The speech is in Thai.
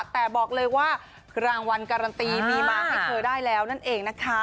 แต่บอกเลยว่ารางวัลการันตีมีมาให้เธอได้แล้วนั่นเองนะคะ